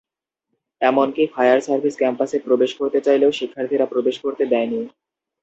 এমনকি fire service ক্যাম্পাসে প্রবেশ করতে চাইলেও, শিক্ষার্থীরা প্রবেশ করতে দেয়নি।